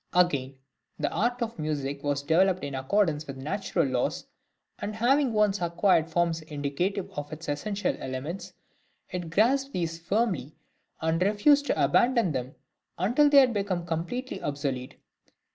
Again, the art of music was developed in accordance with natural laws; and having once acquired forms indicative of its essential elements, it grasped these firmly, and refused to abandon them until they had become completely obsolete.